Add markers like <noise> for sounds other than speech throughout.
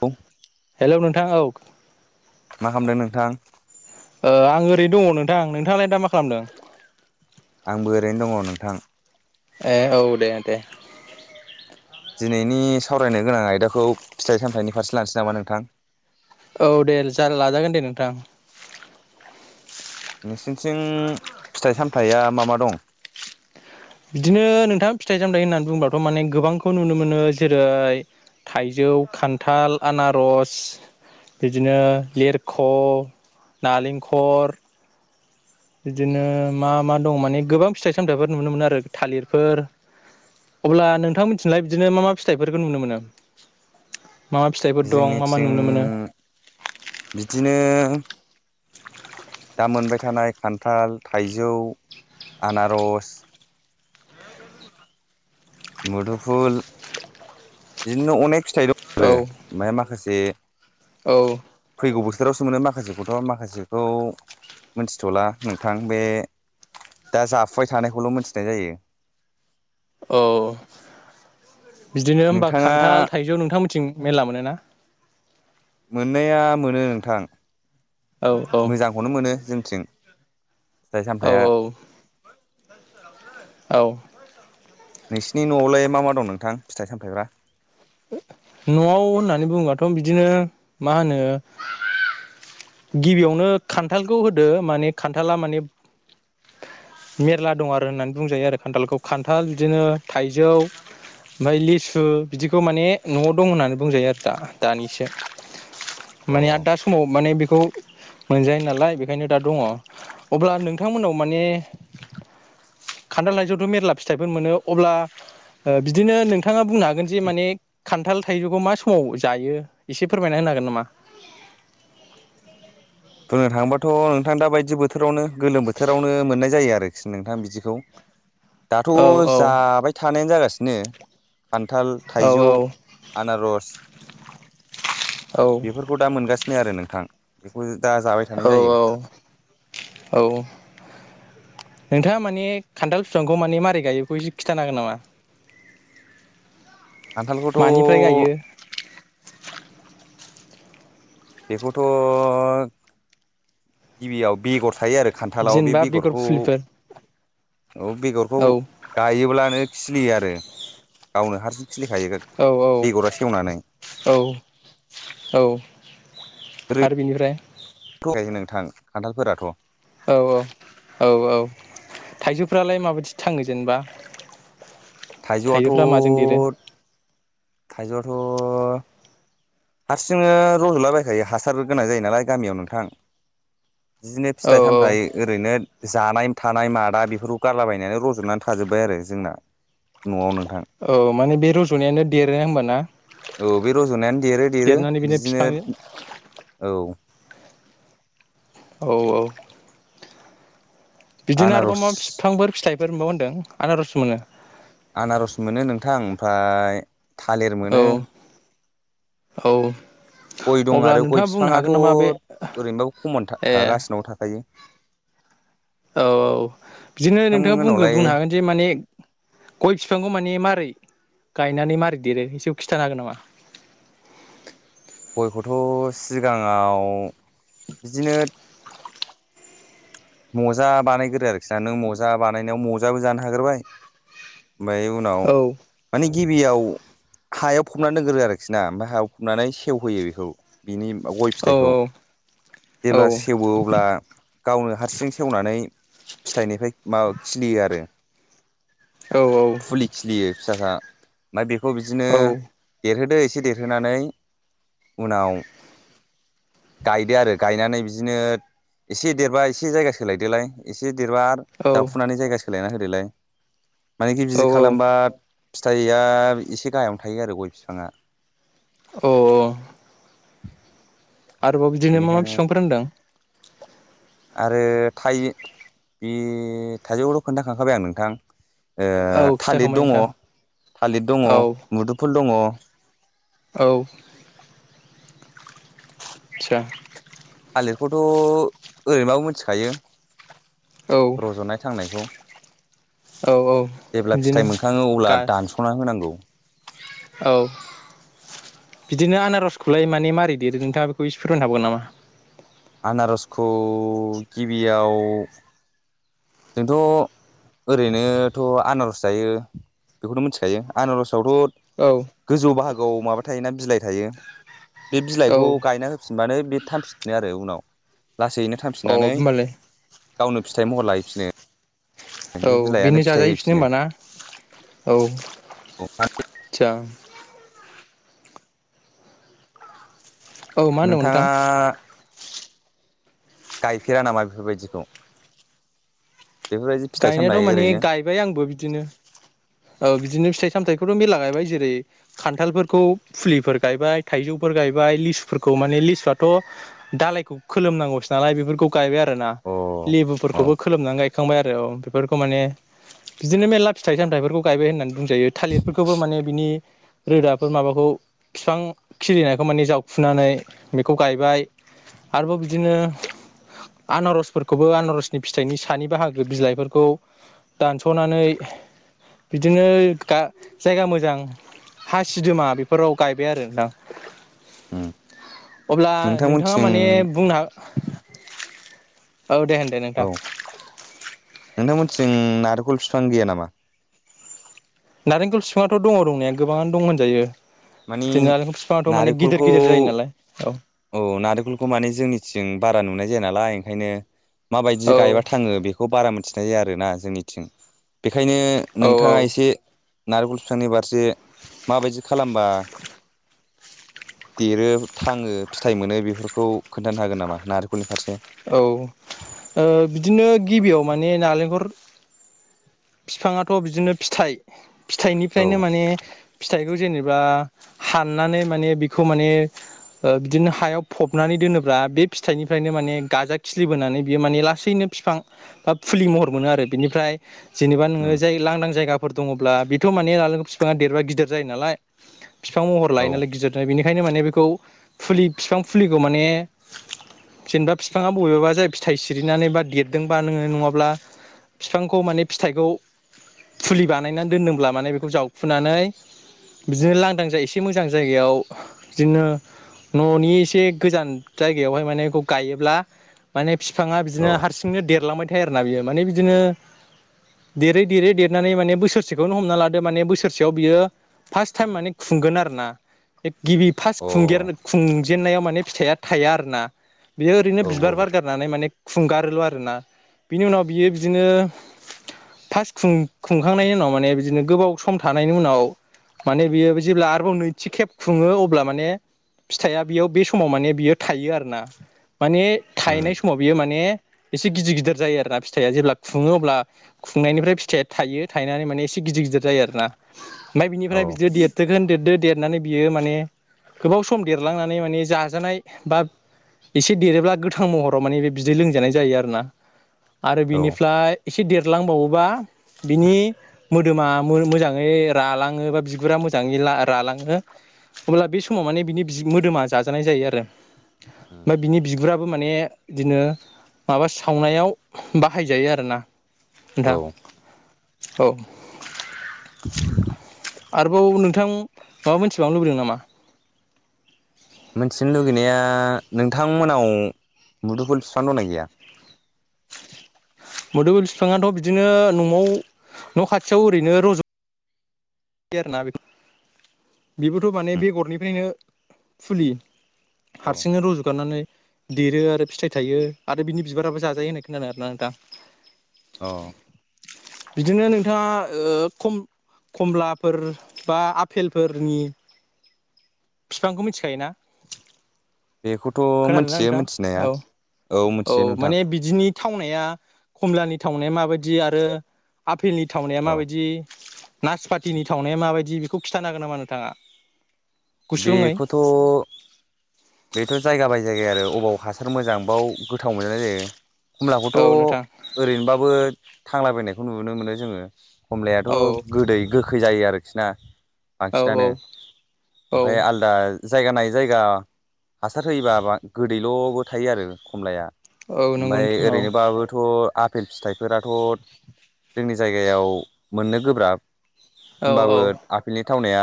औ। हेलौ नोंथां औ। मा खालामदों नोंथां। ओ आं ओरैनो दङ नोंथां नोंथाङालाय दा मा खालामदों। आंबो ओरैनो दङ नोंथां। ए औ दे दे। दिनैनि सावरायनो गोनां आयदाखौ फिथाइ सामथायाइनि फारसे लानोसै नामा नोंथां। औ दे जा लाजागोन दे नोंथां। नोंसिथिं फिथाइ सामथाइया मा मा दं। बिदिनो नोंथां फिथाइ सामथायाइ होननानै बुंबाथ' माने गोबांखौ नुनो मोनो जेरै। थाइजौ खान्थाल आनारस। बिदिनो लेरख नालेंखर। बिदिनो मा मा दं माने गोबां फिथाइ सामथायाइफोर नुनो मोनो आरो थालिरफोर। अब्ला नोंथां मिथिनोलाय बिदिनो मा मा फिथाइफोरखौ नुनो मोनो। मा मा फिथाइफोर दं मा मा जोंनिथिं नुनो मोनो। बिदिनो दा मोनबाय थानाय खान्थाल थाइजौ आनारस। मुदुफुल बिदिनो अनेख फिथाइ दं आरो औ ओमफ्राय माखासे। औ फैगौ बोथोरावसो मोनो माख माखासेखौथ' माखासेखौ मोनथिथला नोंथां बे। दा जाफुबाय थानायखौल' मिथिनाय जायो। औ बिदिनो होमबा नोंथाङा खान्थाल थाइजौ नोंथांमोनथिं। मेरला मोनो ना। मोननाया मोनो नोंथां औ औ मोजांखौनो मोनो जोंथिं। फिथाइ औ सामथाइया। औ औ। नोंसिनि न'आवलाय मा मा दं नोंथां फिथाइ सामथाइफ्रा न'आव होननानै बुङोबाथ' बिदिनो मा होनो। गिबियावनो खान्थालखौ होदो माने खान्थाला माने। मेरला दं आरो होननानै बुंजायो आरो खान्थालखौ खान्थाल बिदिनो थाइजौ। ओमफाय लिसु बिदिखौ माने न'आव दं होननानै बुंजायो आरो दा दानिसो। अ माने आ दा समाव माने। खौ मोनजायो नालाय बेनिखायनो दा दङ अब्ला नोंथांमोननाव माने। खान्थाल थाइजौथ मेरला फिथाइफोर मोनो अब्ला। बिदिनो नोंथाङा बुंनो हागोन जे माने खान्थाल थाइजौखौ मा समाव जायो एसे फोरमायना। होनो हागोन नामा। <inaudible> बुंनो थांबाथ' नोंथां दा बायदि बोथोरावनो गोलोम बोथोरावनो मोननाय जायो आ। आरोखि नोंथां बिदिखौ दाथ' औ जाबाय थानायानो जागासिनो। खान्थाल औ थाइजौ आनारस औ बेफोरखौ दा मोनगा आरो नोंथां बेखौ। दा जाबाय थानाय औ जायो औ औ नोंथाङा माने खान्थाल बिफांखौ माने मारै गायो इखौ एसे खिन्थानो हागोन नामा मानिफ्राय गायो खान्थालखौथ' बेखौथ' गिबियाव बेगर थायो आरो खान्थालाव बे जेनेबा बेगर बेगरखौ फुलिफोर औ बेगरखौ गायोब्लानो खिलियो आरो गावनो हारसिं खिलिखायो औ औ बेगरा सेवनानै औ औ आरो बेनिफ्राय खायो नोंथां खान्थालफोराथ'। औ औ औ औ थाइजौफ्रालाय माबायदि थाङो जेनेबा? थाइजौआथ' थाइजौफोरा माजों देरो। थाइजौआथ' हारसिङो रजलाबायखायो हासार गोनां जायो नालाय गामियाव नोंथां बिदिनो औ फिथाइ औ सामथाइ ओरैनो जानाय थानाय मादा बेफोरखौ गारलाबायनानै रजनानै थाजोब्बाय आरो जोंना न'आव नो। औ माने बे रज'नायानो देरो होनबा ना? औ बे रज'नायानो देरो देरो बिदिनो औ। औ औ बिदिनो आरोबाव आनारस मा फिफांफोर फिथाइफोर मोनबावो होन्दों आनारस मोनो? आनारस मोनो नोंथां ओमफाय थालिर औ मोनो। औ गय दं अब्ला आरो गय नोंथाङा बुंनो फिफाङाथ' हागोन नामा बे ओरैनोबाबो खमन था ए खा गासिनावबो थाखायो। औ औ बिदिनो नोंथाङा बुंगोन नोंथांमोननावलाय बुंनो हागोन जे माने गय फिफां खौ माने मारै गायनानै मारै देरो एसे खिथानो हागोन नामा? गयखौथ सिगाङाव बिदिनो मजा बानायग्रो आरोखि ना नों मजा बानायनायाव मजाबो जानो हाग्रोबाय ओमफाय उनाव औ मानि गिबियाव हायाव फबना दोनग्रो आरोखि ना ओमफ्राय हायाव फबनानै सेवहोयो बेखौ बिनि गय औ फिथाइखौ औ जेब्ला सेवो अब्ला गावनो हा सेवनानै फिथाइनिफ्राय माबा खिलियो आरो औ फुलि खिलियो फिसासा ओमफ्राय बेखौ बिदिनो औ देरहोदो एसे देरहोनानै उनाव गायदो आरो गायनानै बिदिनो एसे देरबाय एसे जायगा सोलायदोलाय एसे देरबा आरो औ जावफुनानै जायगा सोलायना होदोलाय मानेखि औ बिदि खालामबा फिथाइया एसे गाहायावनो थायो आरो गय फिफाङा। औ <inaudible> आरोबाव बिदिनो मा मा बेनिखायनो फिफां फोर होनदों? आरो थाइ ओइ थाइजौखौथ' खिन्थाखांखाबाय आं नोंथां। ओ औ थालिर खिन्थाखांबाय दङ नोंथां थालिर दङ औ मुदुफुल दङ। औ <unintelligible> थालिरखौथ ओरैबाबो मोनथिखायो औ रज'नाय थांनायखौ। औ औ जेब्ला बिदिनो फिथाइ मोनखाङो अब्ला गा दानसना होनांगौ। औ बिदिनो आनारसखौलाय माने मारै देरहोगोन नोंथाङा बेखौ इसे फोरमायनो हाबावगोन नामा? आनारसखौ गिबियाव जोंथ' ओरैनोथ' आनारस जायो बेखौनो मिथिखायो आनारस औ आवथ'गोजौ बाहागोआव माबा थायोना बिलाइ थायो। बे औ बिलाइखौ गायना होफिनबानो बे थांफिननो आरो उनाव लासैनो। औ थांफिननानै होमबालाय गावनो फिथाइ महर लाहैफिनो। औ बे बिलाइानो बेनो फिथाइ जाजाहैफिनो होफिनो होमबाना औ। थि औ मा होनदोंमोन नोंथां? नोंथांङा गायफेरा नामा बेफोरबायदिखौ बेफोरबायदि फिथाइ सामथाइ गायनायाथ' माने ओरैनो गायबाय आंबो बिदिनो औ बिदिनो फिथाइ सामथाइखौथ' मेरला गायबाय जेरै खान्थालफोरखौ फुलिफोर गायबाय थाइजौफोर गायबाय लिसुफोरखौ माने लिसुआथ' दालायखौ खोलोमनांगौसो नालाय बेफोरखौ गायबाय आरोना अ अ लेबुफोरखौबो खोलोमनानै गायखांबाय आरो औ बेफोरखौ माने बिदिनो मेलला फिथाइ सामथायाइफोरखौ गायबाय होननानै बुंजायो थालिरफोरखौबो माने बिनि रोदाफोर माबाखौ फिफां खिलिनायखौ माने जावखुनानै बेखौ गायबाय आरोबाव बिदिनो आनारसफोरखौबो आनारसनि फिथाइनि सानि बाहागो बिलाइफोरखौ दानस'नानै बिदिनो जायगा मोजां हासिदोमा बेफोराव गायबाय आरो नोंथां उ अब्ला नोंथाङा माने बुंना औ दे होनदे नोंथां मोनथिं नारेंखल बिफां गैया नामा नारेंखल सिफुंआथ' दङ दंनाया गोबाङानो दंहोनजायो मानि बिदिनो नालेंखर बिफाङाथ' माने गिदिर नारेंखलखौ गिदिर जायो नालाय औ औ नारेंखलखौ माने जोंनिथिं बारा नुनाय जाया नालाय ओंखायनो माबायदि गायोबा औ थाङो बेखौ बेखौ बारा मिथिनाय जाया आरोना जोंनिथिं बेखायनो औ नोंथाङा औ एसे नारेंखल फिफांनि बारसे माबायदि खालामबा देरो थाङो फिथाइ मोनो बेफोरखौ खोन्थानो हागोन नामा नारेंखलनि फारसे औ ओ बिदिनो गिबियाव माने नालेंखर बिफाङाथ' बिदिनो फिथाइ औ फिथाइनिफ्रायनो माने फिथाइखौ जेनेबा बा हाननानै माने बिखौ माने ओ बिदिनो हायाव फबनानै दोनोब्ला बे फिथाइनिफ्रायनो माने गाजा खिलिबोनानै बियो माने लासैनो फिफां बा फुलि महर मोनो आरो बिनिफ्राय जेनेबा नोङो उम जाय लांदां जायगाफोर दङब्ला बेथ' माने नालेंख बिफाङा देरबा गिदिर जायो नालाय बिफां महर लायो औ नालाय गिदिरनो बेनिखायनो माने बेखौ फुलि बिफां फुलिखौ माने जेनेबा बिफाङा बबेबा जाय फिथाइ सिरिनानै बा देरदोंबा नोङो नङाब्ला बिफांखौ माने फिथाइखौ फुलि बानायनानै दोनदोंब्ला माने बेखौ जावखुनानै बिदिनो लांदां जा एसे मोजां जायगायाव बिदिनो न'नि एसे गोजान जायगायावहाय माने बेखौ गायोब्ला माने बिफाङा औ बिदिनो हारसिंनो देरलांबाय थायो आरोना बियो माने बिदिनो देरै देरै देरनानै माने बोसोरसेखौनो हमना लादो माने बोसोरसेयाव बियो फार्स्ट टाइम माने खुंगोन आरो ना गिबि फार्स्ट अ खुं खुंजेनन्नायाव माने फिथाइया थाया आरोना बियो ओरैनो औ बिबार बारगारनानै माने खुंगारोल' आरोना बिनि उनाव बियो बिदिनो फार्स्ट खुं खुंखांनायनि उनाव माने बिदिनो गोबाव सम थानायनि उनाव माने बियो जेब्ला आरोबाव नैथि खेब खुङो अब्ला माने फिथाइआ बेयाव बे समाव माने बियो थायो आरोना माने उम थायनाय समाव बियो माने एसे गिदिर गिदिर जायो आरोना फिथाइआ जेब्ला खुङो अब्ला खुंनायनिफ्राय फिथाइया थायो थायनानै माने एसे गिदिर गिदिर जायो आरोना ओमफ्राय बिनिफ्राय औ बिदि देरदोगोन देरदो देर देरनानै बियो माने गोबाव सम देरलांनानै माने जाजानाय बा एसे देरोब्ला गोथां महराव माने बे बिदै लोंजानाय जायो आरो ना आरो औ बिनिफ्राय एसे देर -रलांबावोबा बिनि मोदोमा मोजाङै रालाङोबा बिगुरा मोजाङै ला रालाङो अब्ला बे समाव माने बिनि मोदोमा जाजानाय जायो आरो उम ना बिनि बिगुरा बो माने बिदिनो माबा सावनायाव बाहायजायो आरोना दा औ औ आरोबाव नोंथां माबा मोनथिबांवनो लुबैदों नामा? मिथिनो लुगैनाया नोंथांमोनाव मुदुफुल बिफां दंना गै मोदोफुल बिफाङाथ' बिदिनो न'आव न' खाथियाव ओरैनो रज' <unintelligible> आरोना बेबोथ' माने उम बेगरनिफ्रायनो फुलि औ हारसिंनो रुजुगारनानै देरो आरो फिथाइ थायो आरो बिनि बिबाराबो जाजायो होननाय खोनानो आरोना आ नोंथां। अ बिदिनो नोंथाङा ओ खम-खमला फोर बा आफेलफोरनि बिफांखौ मिथि बेखौथ' मोनथियो मिथिनाया औ माने बिदिनि थावनाया कमलानि थावनाया माबायदि आरो आफेलनि थावनाया औ माबायदि नासपातिनि थावनाया माबायदि बेखौ खिन्थानो हागोन नामा नोंथाङा? गुसुङै बेखौथ' बेथ' जायगा बाय जायगा आरो अबाव हासार मोजां बाव गोथाव मोनजानाय जायो। खमलाखौथ' औ नोंथां ओरैनोबाबो थांलाबायनायखौ नुनो मोनो जोङो खमलायाथ' औ गोदै गोखै जायो आरोखि ना औ औ बांसिनानो औ ओमफ्राय आलदा जायगा नायै जायगा हासार होयोबा गोदैल'बो थायो आरो खमलाया औ नंगौ ओमफाय नोंथां औ ओरैनोबाबोथ' आ पेल फिथाइफोराथ' जोंनि जायगायाव मोननो गोब्राब औ औ होमबाबो आफेलनि थावनाया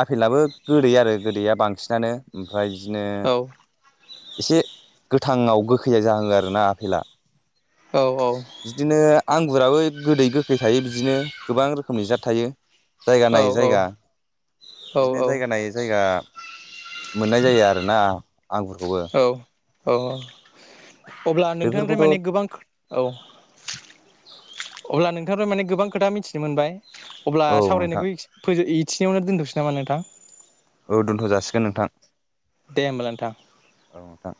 आफेेलाबो गोदै आरो गोदैया बांसिनानो ओमफ्राय बिदिनो औ एसे गोथाङाव गोखैया जाहोङो आरोना आफेला औ औ बिदिनो आंगुराबो गोदै गोखै थायो बिदिनो गोबां रोखोमनि जाद थायो। जायगा औ नायै जायगा औ बिदिनो औ जायगा नायै जायगा मोननाय जायो आरोना आंगुरखौबो औ औ अब्ला नोंथांनिफ्राय बेफोरखौथ' माने गोबां औ अब्ला नों थां माने गोबां खोथा मिथिनो मोनबाय अब्ला औ नोंथां सावरायनायखौ <unintelligible> थिनियावावनो दोनथ'सै नामा नोंथां। औ दोनथ' जासिगोन नोंथां। दे होमबालाय नोंथां। औ नोंथां